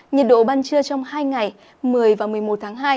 nhiệt độ ban trưa trong hai ngày một mươi và một mươi một tháng hai